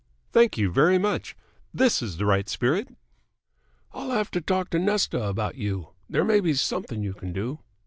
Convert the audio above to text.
"Thank you very much. This is the right spirit." "I'll have to talk to Nesta about you. There may be something you can do."